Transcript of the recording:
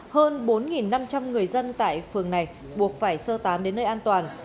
hơn bốn năm trăm linh người dân tại phường này buộc phải sơ tán đến nơi an toàn